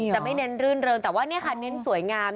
จะไม่เน้นรื่นเริงแต่ว่านี่ค่ะเน้นสวยงาม